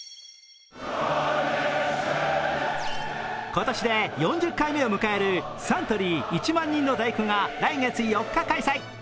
今年で４０回目を迎えるサントリー１万人の第九が来月４日開催。